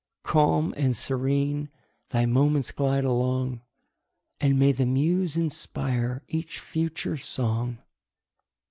Calm and serene thy moments glide along, And may the muse inspire each future song!